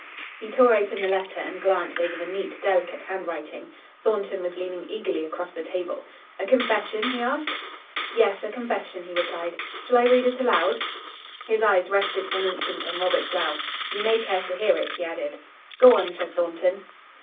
He tore open the letter and glanced over the neat, delicate handwriting. Thornton was leaning eagerly across the table. "A confession?" he asked. "Yes a confession," he replied. "Shall I read it aloud?" His eyes rested for an instant on Robert Grell. "You may care to hear it," he added. "Go on," said Thornton.